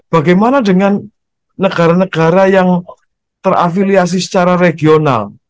bagaimana dengan negara negara yang terafiliasi secara regional